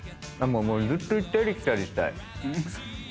ずっと行ったり来たりしたい。